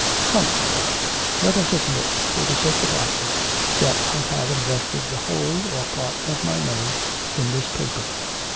'Come, Harold. Let us admit, for the sake of argument, that I have invested the whole or part of my money in this paper.'